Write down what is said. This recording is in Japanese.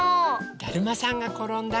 「だるまさんがころんだ」かな？